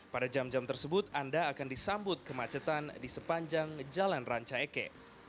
pada jam jam tersebut anda akan disambut kemacetan di sepanjang jalan ranca eke